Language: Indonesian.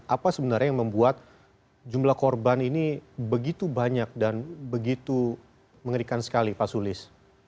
apa sebenarnya yang membuat jumlah korban ini begitu banyak dan begitu mengerikan sekali pak sulis